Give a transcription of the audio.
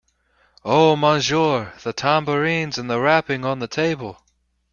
Oh, monsieur, the tambourines and the rapping on the table!